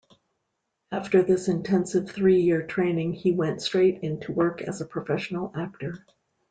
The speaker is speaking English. After this intensive three-year training he went straight into work as a professional actor.